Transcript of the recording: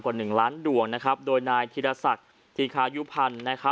กว่า๑ล้านดวงนะครับโดยนายธิรษัทธิคายุพันธ์